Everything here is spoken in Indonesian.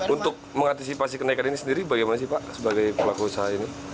untuk mengantisipasi kenaikan ini sendiri bagaimana sih pak sebagai pelaku usaha ini